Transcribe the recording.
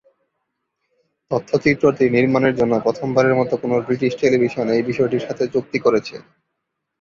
তথ্যচিত্রটি নির্মাণের জন্য প্রথমবারের মতো কোন ব্রিটিশ টেলিভিশন এই বিষয়টির সাথে চুক্তি করেছে।